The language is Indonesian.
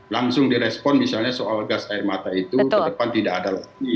langsung direspon misalnya soal gas air mata itu ke depan tidak ada lagi